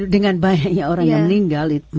dengan banyaknya orang yang meninggal